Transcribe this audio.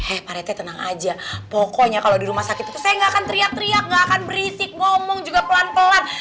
hepa retnya tenang aja pokoknya kalau di rumah sakit itu saya nggak akan teriak teriak gak akan berisik ngomong juga pelan pelan